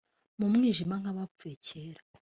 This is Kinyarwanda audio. mu mwijima nk abapfuye kera